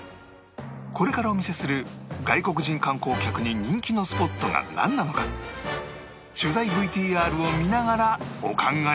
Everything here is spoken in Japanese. これからお見せする外国人観光客に人気のスポットがなんなのか取材 ＶＴＲ を見ながらお考えください